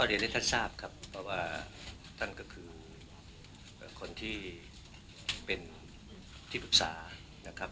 เรียนให้ท่านทราบครับเพราะว่าท่านก็คือคนที่เป็นที่ปรึกษานะครับ